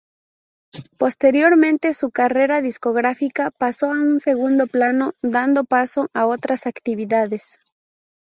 Posteriormente su carrera discográfica pasó a un segundo plano, dando paso a otras actividades.